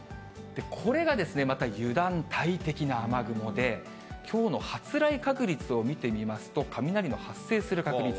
これがまた油断大敵な雨雲で、きょうの発雷確率を見てみますと、雷の発生する確率。